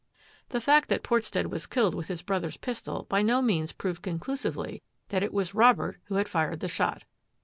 The fact that Portstead was killed with his brother's pistol by no means proved conclusively that it was Robert who had fired the shot.